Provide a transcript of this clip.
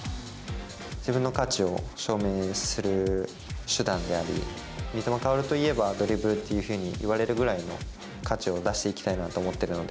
自分の価値を証明する手段であり、三笘薫といえばドリブルというふうに言われるぐらいの価値を出していきたいなと思っているので。